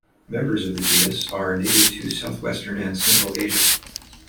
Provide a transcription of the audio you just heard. Members of the genus are native to southwestern and central Asia.